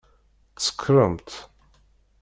Tsekṛemt?